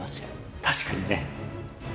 「確かにね」